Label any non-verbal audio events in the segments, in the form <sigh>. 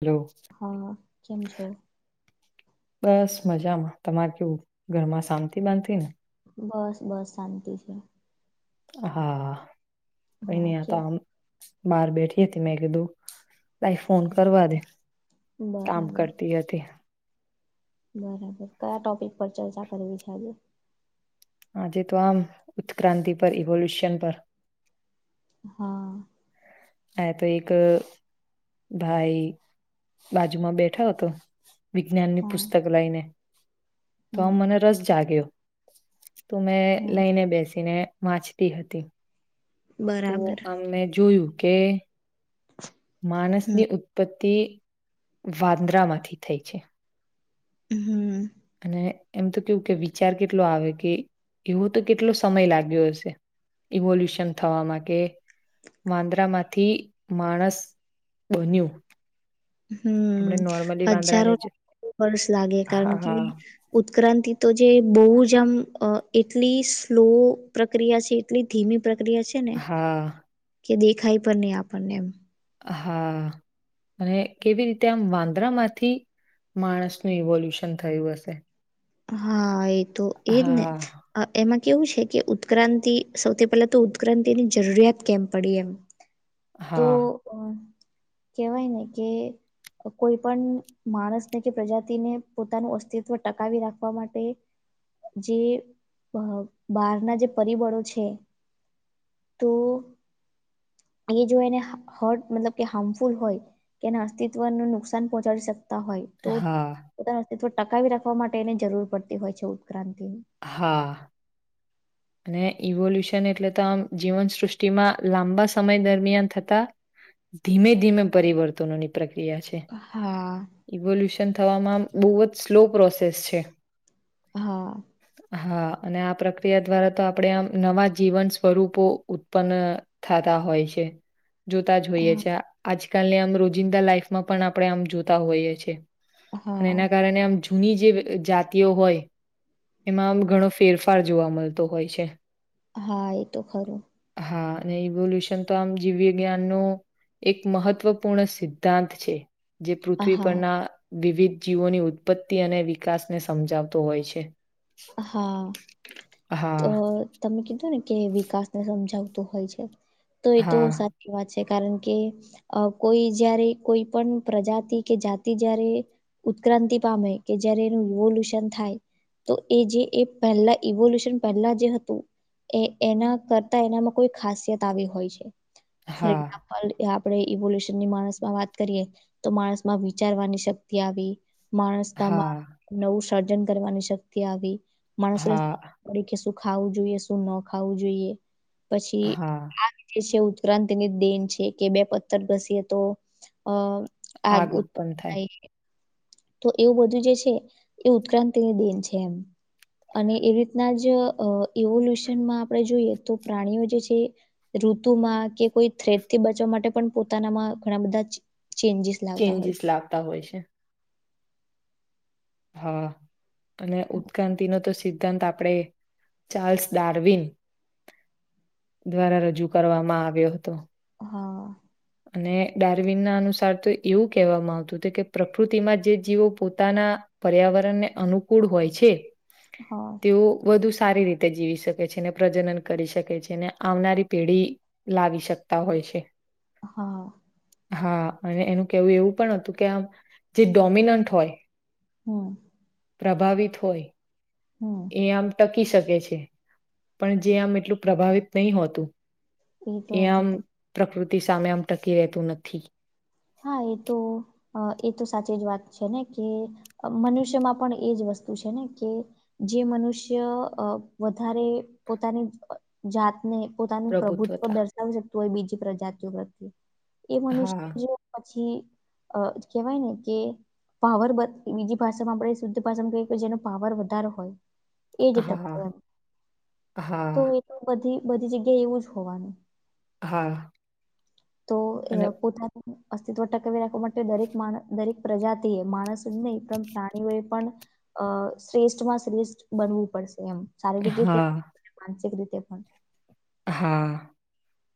Hello હા. કેમ છો? બસ મજામાં, તમારે કેવું ઘરમાં શાંતિ બાંધી ને? બસ બસ શાંતિ છે. હા, કઈ હા નહિ કે તો આમ બાર બેઠી હતી. મેં કીધું લાઈ ફોન કરવા દે કામ બરાબર કરતી હતી. બરાબર. કયા ટોપિક પર ચર્ચા કરવી છે આજે? આજે તો આમ ઉત્ક્રાંતિ પર ઇવોલ્યુશન પર હા. હા, તો એક ભાઈ બાજુમાં બેઠા હતો વિજ્ઞાનની હા પુસ્તક લઈને તો આમ હમ મને રસ જાગ્યો તો મેં હમ લઈને બેસીને વાંચતી હતી તો બરાબર આમને જોયું કે હમ માણસની ઉત્પત્તિ વાંદરામાંથી થઈ છે. હમ્મ. અને એમ તો કેવું કે વિચાર કેટલો આવે કે એવો તો કેટલો સમય લાગ્યો હશે, ઇવોલ્યુશન થવામાં કે વાંદરામાંથી માણસ બન્યું હમ્મ, આપણે નોર્મલી હજારો વાંદરાને જ વર્ષ લાગે કારણ હા કે હા ઉક્રાંતિ તો જે બહુ જ આમ અ એટલી સ્લો પ્રક્રિયા છે, એટલી ધીમી પ્રક્રિયા છે ને હા કે દેખાય પર નહી આપણને એમ. હા. અને કેવી રીતે આમ વાંદરામાંથી માણસનું ઇવોલ્યુશન થયું હશે. હા એ તો એજ ને હા એમાં કેવું છે કે ઉત્ક્રાંતિ સૌથી પહેલા તો ઉત્ક્રાંતિ ની જરૂરિયાત કેમ પડી એમ. તો હા અ કેહેવાય ને કે કોઈ પણ માણસને કે પ્રજાતિને પોતાનું અસ્તિત્વ ટકાવી રાખ આપવા માટે જે બહારના જે પરિબળો છે. તો એ જો એને હટ મતલબ કે હાર્મફુલ હોય એના અસ્તિત્વનું નુકસાન પહોચાડી શક હોય તો હા પોતાના અસ્તિત્વ ટકાવી રાખવા માટેની જરૂર પડતી હોય છે ઉત્ક્રાંતિ. હા અને ઇવોલ્યુશન એટલે તો આમ જીવનસૃષ્ટિમાં લાંબા સમય દરમિયાન થતા ધીમે ધીમે પરિવર્તનોની પ્ર કીયા છે હા ઇવોલ્યુશન થવામાં બહુ જ સ્લો પ્રોસેસ છે હા હા અને આ પ્રક્રિયા દ્વારા તો આપણેે આમ નવા જીવન સ્વરૂપો ઉત્પન્ન થાતા હોય છે જોતા જ હોઈએ હા છે આજકાલને આમ રોજિંદા લાઈફમાં પણ આપણે આમ જોતા હોઈએ છે. અને હા એના કારણે આમ જૂની જે જાતિઓ હોય એમાંમ ઘણો ફેરફાર જોવા મલતો હોય છે. હા એ તો ખરું હા ને ઈવોલ્યુશન તો આમ જીવ વિજ્ઞાન નું એક મહત્વપૂર્ણ સિદ્ધાંત છે જે પૃથ્વી હા પરના વિવિધ જીવોની ઉત્પત્તિ અને વિકાસને સમજાવતો હોય છે. હા હા તો ત કીધું ને કે વિકાસ ને સમજાવતું હોય છે તો એ તો હા સાચી વાત છે કારણ કે કોઈ અ જયારે કોઈ પણ પ્રજા કે જાતિ જયારે ક્રાંતિ પામે કે જયારે એનુલ્યુશન થાય તો એ જે એ પહેલા ઇવોલ્યુશન પહેલા જે હતું એ એના કરતા એનામાં કોઈ ખાસિયત આવી હોય છે ફોર હા એક્ઝામ્પલ આપણે ઇવોલ્યુશનની માણસમાં વાત કરીએ તો માણસ માં વિચારવાની શક્તિ આવી માણસતામાં હા નવું સર્જન કરવાની શક્તિ આવી માણસોને હા તરીકે ખાવુ જોઈએ શું ન ખાવુ જોઈએ પછી હા <unintelligible> સંક્રાંતિની દેન છે કે બે પથ્થર ઘસીએ તો અ આગ ઉત્પન થાય તો એવું બધું જે છે એ ઉત્ક્રાંતિ દિન છે એમ અને એવી રીતના જ અ એવોલ્યુશનમાં આપણે જોઈએ તો પ્રાણીઓ જે છે. ઋતુમાં કે કોઈ થ્રેડ થી બચવા માટે પણ પોતાનામાં ઘણા બધા ચેન્જીસ લાવતા હોય ચેન્જીસ લાવતા હોય છે હા અને ઉત્ક્રાંતિ ન તો સિ સંત આપડે ચાર્લ્સ ડારવિન દ્વારા રજૂ કરવામાં આવ્યો હતો હા અને ડારવીન ના અનુસાર તો એવું કહેવામાં આવતું હતું કે પ્રકૃતિમાં જે જીવો પોતાના પર્યાવરણને અનુકૂળ હોય છે હા તેઓ વધુ સારી રીતે જીવી શકે છે અને પ્રજનન કરી શકે છે ને આવનારી પેઢી લાવી શકતા હોય છે હા હા અને એનું કેવું એવું પણ હતું કે આમ જે ડોમિનન્ટ હોય હમ્મ પ્રભાવિત હોય એ આમ ટક પી શકે છે. પણ જે આમ એટલું પ્રભાવિત નહીં હોતું તો એ નથી આમ, થ પ્રકૃતિ સામે આમ ટકી રહેતું નથી. હા, એ તો, અ એ તો સાચી જ વાત છે ને, કે મનુષ્યમાં પણ એજ વ સ્તુ છે ને, કે જે મનુષ્ય અ વધારે પોતાની જાતને પોતાનું પ્રભુત્વ પ્રભુત્વતા દર્શાવી શકતું હોય બીજી પ્રજાતિઓ પ્રત્યે, એ હા મનુષ્ય પછી અ કહેવાય ને કે પાવર બ, બીજી ભામાં આપણે શુદ્ધ ભાષામાં કહીએ કે જેનો પાવર વધારે હોય એ જી, હા <unintelligible> હા તો એ તો બધી બધી જગ્યાએ એવું જ હોવાનું. હા. તો એ અને પોતાની અસ્તિત્વ ટકાવી રાખવા માટે દરેક માણસ, દરેક પ્રજાતિએ, માણસ જ નહીં, પણ પ્રાણીઓએ પણ અ શ્રેષ્ઠ માં શ્રેષ્ઠ બનવું પડશે એમ શારીરિક રીતે, હા માનસિક રીતે પણ હા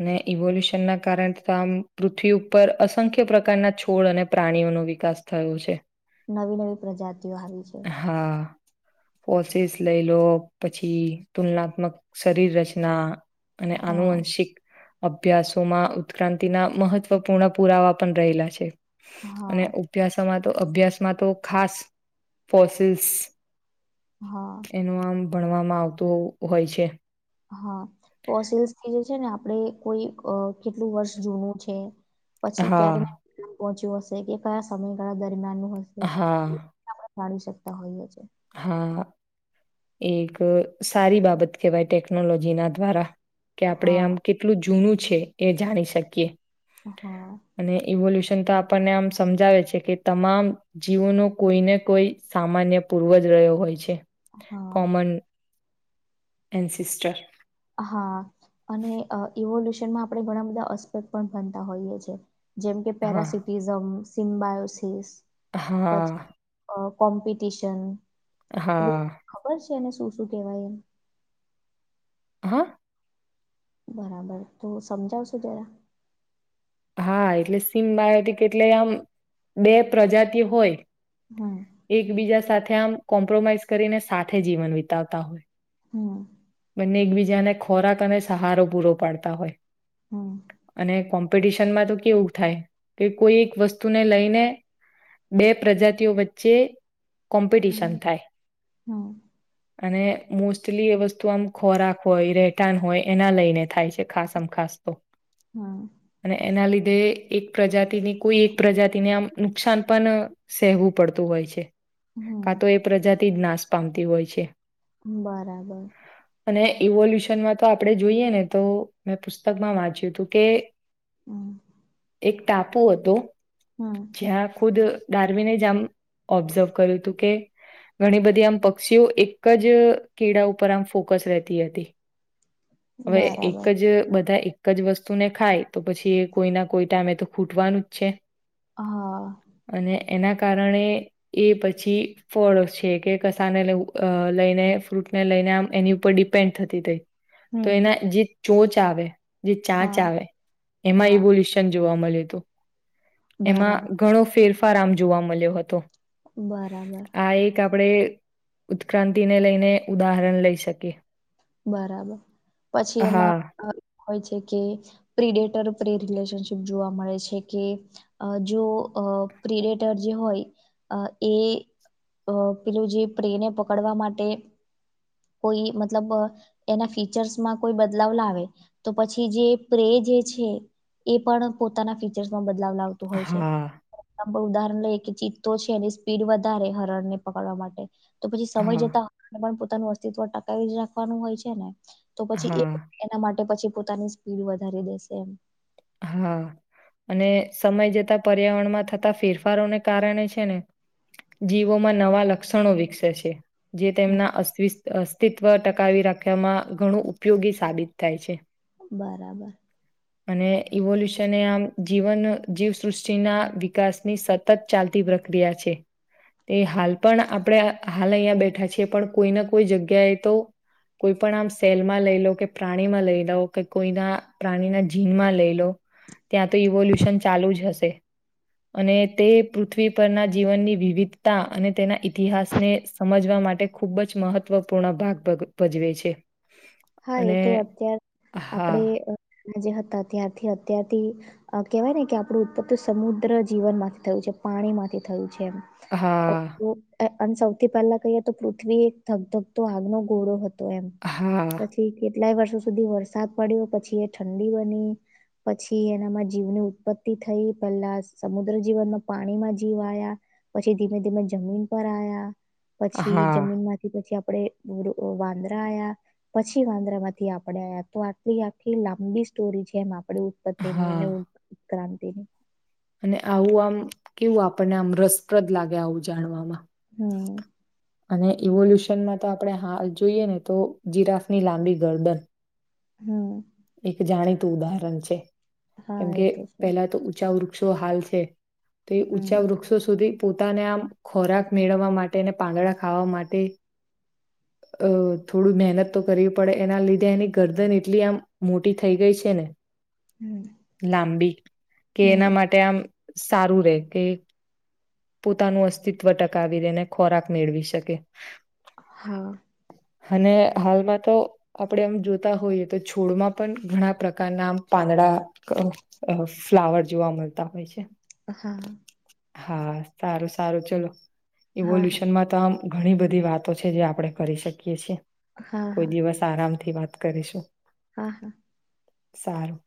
અને ઇવોલ્યુશનના કારણે તો આમ પૃથ્વી ઉપર અસંખ્ય પ્રકારના છોડ અને પ્રાણીઓ ઓનો વિકાસ થયો છે. નવી નવી પ્રજાતિઓ આવી છે. ફોસિલ્સ લઈ લો, પછી તુલનાત્મક શરીર રચના, અને હા આનુવંશિક અભ્યાસોમાં, ઉત્ક્રાંતિના મહત્વપૂર્ણ પુરાવા પણ રહેલા છે. હા અને ઉભ્યાસમાં તો અભ્યાસમાં તો ખાસ ફોસિલ્સ હા એનું આમ, ભણવામાં આવતું હોય છે. હા ફોસિલ્સ થી જે છે ને, આપડે કોઈ કેટલું વર્ષ જુનું છે પછી હા ક્યારે ને ક્યારે પહોંચ્યું હશે, કે કયા સમયગાળા દરમિયાનનું હશે એ હા આપણે જાણી શકતા હોઈએ છે. હા એ એક સારી બાબત કેહવાય ટેકનોલોજીના દ્વારા કે આપણે આમ હા કેટલું જૂનું છે, એ જાણી શકીએ. હા અને ઇવોલ્યુસન સન તો આપણને આમ સમજાવે છે કે, તમામ જીવોનો કોઈને કોઈ સામાન્ય પૂર્વજ રહ્યો હોય છે, હા કોમન એન્સીસ્ટર. હા, અને ઇવોલ્યુશનમાં આપણે ઘણા બધા અસ્પેક્ટ પણ ભનતા હોઈએ છે. જેમ કે હા પેરાસિટીઝમ, સિમ્બાયોસિસ. હા પછી કોમ્પિટિશન હા તેને શું શું કેવાય એમ. હા? બરાબર, તો સમજાવશો જરા? હા, એટલે સિમ્બાયોટિક એટલે આમ, બે પ્રજાતિ હોય હમ એકબીજા સાથે આમ કોમ્પ્રોમાઈઝ કરીને સાથે જીવન વિતાવતા હોય હમ બંને એકબીજાને ખોરાક અને સહારો પૂરો પાડતા હોય હા કોમ્પિટિશનમાં તો કેવું થાય કે કોઈ એક વસ્તુને લઈને બે પ્રજાતિઓ વચ્ચે કોમ્પિટિશન થાય હા અને મોસ્ટલી એ વસ્તુ તોમ આમ ખોરાક હોય રહેઠાણ હોય એના લઈને થાય છે ખાસ આમ ખાસ તો હા અને એના લીધે એક પ્રજાતિ ની કોઈ એક પ્રજાતિને આમ નુકસાન પણ સહેવું પડતું હોય હોય છે કા હમ તો એ પ્રજાથી જ નાશ પામતી હોય છે બરાબર એલ્યુશનમાં તો આપડણે જોઈએ ને તો મેં પુસ્તકમાં વાંચ્યું હતું કે હમ એક ટાપુ હતો હમ જ્યાં ખુદ ડાર્મિને જામ ઓબ્ઝર્વ કર્યું હતું કે ઘણી બધી આમ પક્ષીઓ એક જ કેળા ઉપર પર ફોકસ રહે તી હતી હવે એક બરાબર જ બધા એ એક જ વસ્તુ ને ખાય તો પછી એ કોઈ ના કોઈ ટાઈમે તો ખૂટવાનું જ છે હા અને એના કારણે એ પછી ફળ છે કે કસાને લ લઈને ફ્રૂટ ને લઈને આમ એની ઉપર ડિપેન્ડ થતી થઈ તો હમ એના જે ચોચ આવે જે હા ચાંચ આવે હા એમાં રવોલ્યુશન જોવા મળ્યું હતું એમાં બરાબર ઘણો ફેરફાર આમ જોવા મળ્યો હતો બરાબર આ એક આપણે ઉત્ક્રાંતિ ને લઈને ઉદાહરણ લઈ શકીએ બરાબર પછી હા એમાં હોય છે કે પ્રીેટર પ્રી રિલેશનશીપ જોવા મળે છે કે જો અ પ્રિડેટર જે હોય એ અ પેલું જે પ્રેને પકડવા માટે કોઈ મતલબ એના ફીચર્સમાં કોઈ બદલાવ લાવે તો પછી જે પ્રે જે છે એ પણ પોતાના ફીચર્સમાં બદલાવ લાવતું હોય છે હા ઉદાહરણ લઈએ કે ચિત તો છે એની સ્પીડ વધારે હરણ ને પકડવા માટે તો પછી સમય હા જતાને પણ પોતાનું અસ્તિત્વ ટકાવી જ રાખવાનું હોય છે ને તો પછી એ હા એના માટે પછી પોતાની સ્પીડ વધારી દેશે એમ હા અને સમય જતા પર્યાવરણમાં થતા ફેરફારોને કારણે છે ને જીવોમાં નવા લક્ષણો વિકસે છે જે હમ, તેમના અસ્તિત્વ ચકાવી રાખમાં ઘણું ઉપયોગી સાબિત થાય છે બરાબર અને ઇવોલ્યુશન એ આમ જીવન જીવસૃષ્ટિના વિકાસની સતત ચાલતી પ્રક્રિયા છે તે હાલ પણ આપણે હાલ અહીિયાયા બેઠા છીએ પણ કોઈને કોઈ જગ્યાએ તો કોઈ પણ આમ સેલમાં લઈ લો કે પ્રાણીમાં લઈ લાવ કે કોઈના પ્રાણીના જીનમાં લઈ લો ત્યાં તો ઇવોલ્યુશન ચાલુ જ હશે અને તે પૃથ્વી પરના જીવનની વિવિધતા અને તેના ઈતિહાસને સમજવામાં માટે ખૂબ જ મહત્વપૂર્ણ ભાગ ભજવે છે હા એ અને તો અત્યાર આપડે હા જે હતા અ્યારથી અત્યારથી કેવાય ને કે આપણું ઉત્પત્તિ સમુદ્ર જીવન માંથી થયું છે પાણી માંથી થયું હા છે એ અને સૌથી પહેલા કહીએ તો પૃથ્વી એક ધગ ધકતો આગનો ગોરો હતો એમ હા પછી કેટલાય વર્ષો સુધી વરસાદ પડ્યો પછી એ ઠંડી બની પછી એનામાં જીવની ઉત્પત્તિ થઈ પેલા સમુદ્ર જીવનમાં પાણીમાં જીવ આવ્યા પછી ધીમે ધીમે જમીન પર આવ્યા પછી હા જમીન માંથી પછી આપણેે વાંદરા આયા પછી વાંદરામાંથી આપડે તો આટલી આખી લાંબી સ્ટોરી જેમ આપડે ઉપતે ન એ હા અને કરાતે અને આવું આમ કેવું આપણને આમ રસપ્રદ લાગે આવું જાણવામાં <unintelligible> અને ઇવોલ્યુશનમાં તો આપણે હાલ જોઈએ ને તો જીરાફની લાંબી ગરદન હમ એક જાણીતું ઉદાહરણ છે હા એ કેમકે તો છે પેલા તો ઊંચા વૃક્ષો હાલ છે. તો એ હમ ઊંચા વૃક્ષો સુધી પોતાને આમ ખોરાક મેળવવા માટે અને પાંદડા ખાવા માટે અ થોડું મહેનત તો કરવી પડે એના લીધે એની ગરદન એટલી આમ મોટી થઈ ગઈ છે ને હમ લાંબી કે હમ એના માટે આમ સારું રે કે પોતાનું અસ્તિત્વ ટકાવી રને ખોરાક મેળવી શકે. હા. અને હાલમાં તો આપણે આમ જોતા હોઈએ તો છોડમાં પણ ઘણા પ્રકારના આમ પા આડા ફ્લાવર જોવા મળતા હોય છે. હા. હા સારું સારું ચલો હા ઇવોલ્યુશનમાં તો આમ ઘણી બધી વાતો છે જે આપડે કરી શકીએ છીએ હા હા કોઈ દિવસ આરામ થી વાત કરીશું. હા હા. સારું.